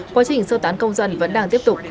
quá trình sơ tán công dân vẫn đang tiếp tục